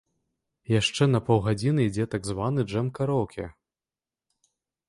Яшчэ на паўгадзіны ідзе так званы джэм-караоке.